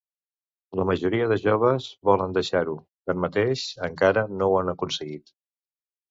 La majoria de joves volen deixar-ho, tanmateix, encara no ho han aconseguit.